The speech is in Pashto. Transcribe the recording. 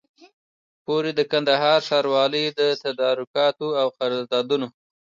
پوري د کندهار ښاروالۍ د تدارکاتو او قراردادونو